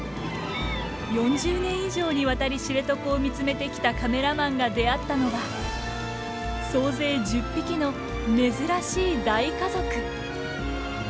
４０年以上にわたり知床を見つめてきたカメラマンが出会ったのは総勢１０匹の珍しい大家族。